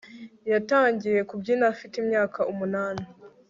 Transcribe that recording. Yatangiye kubyina afite imyaka umunani